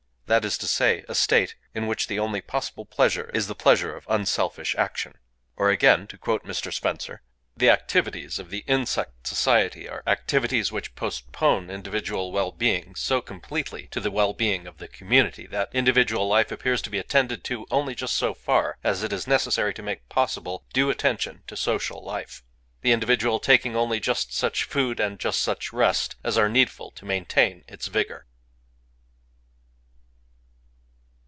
That is to say, a state in which the only possible pleasure is the pleasure of unselfish action. Or, again to quote Mr. Spencer, the activities of the insect society are "activities which postpone individual well being so completely to the well being of the community that individual life appears to be attended to only just so far as is necessary to make possible due attention to social life,... the individual taking only just such food and just such rest as are needful to maintain its vigor."